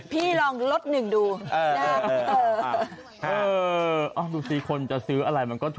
พี่ลองลด๑ดูเออดูสิคนจะซื้ออะไรมันก็ถูกอย่างนี้